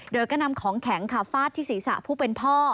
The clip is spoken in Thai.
โดยก็นำของแข็งค่ะฟาดที่ศีรษะผู้เป็นพ่อ